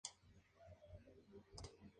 Viena no cayó en poder otomano.